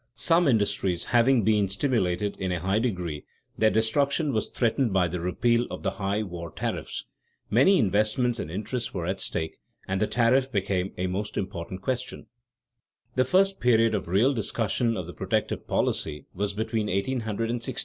Some industries having been "stimulated" in a high degree, their destruction was threatened by the repeal of the high war tariffs. Many investments and interests were at stake, and the tariff became a most important question. [Sidenote: The tariff controversy before 1865] The first period of real discussion of the protective policy was between 1816 and 1846.